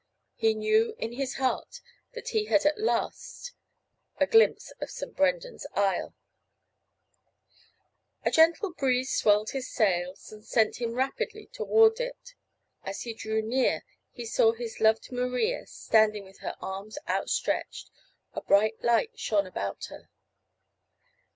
He knew in his heart that he had at last a glimpse of St. Brendan's isle. [Illustration: One evening just at sunset] A gentle breeze swelled his sails and sent him rapidly toward it. As he drew near he saw his loved Maria standing with her arms outstretched. A bright light shone about her.